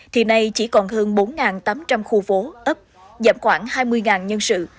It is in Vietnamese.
thì nay chỉ còn hơn bốn tám trăm linh khu phố ấp giảm khoảng hai mươi nhân sự